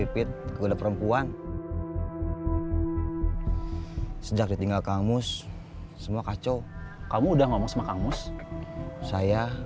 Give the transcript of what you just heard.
perempuan sejak ditinggal kamus semua kacau kamu udah ngomong sama kangus saya